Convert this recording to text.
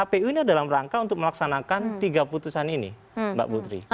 kpu ini adalah rangka untuk melaksanakan tiga putusan ini mbak putri